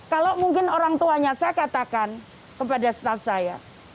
kalau mungkin orang tuanya saya katakan kepada staff saya